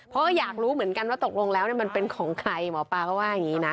เพราะอยากรู้เหมือนกันว่าตกลงแล้วมันเป็นของใครหมอปลาก็ว่าอย่างนี้นะ